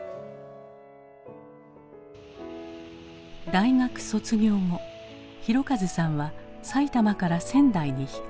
大学卒業後広和さんは埼玉から仙台に引っ越していた。